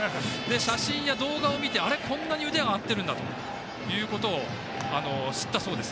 写真や動画を見てこんなに腕が上がっているんだということを知ったそうです。